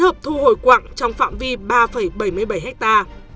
hợp thu hồi quặng trong phạm vi ba bảy mươi bảy hectare